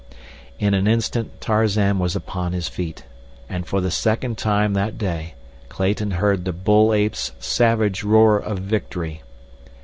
In an instant Tarzan was upon his feet, and for the second time that day Clayton heard the bull ape's savage roar of victory.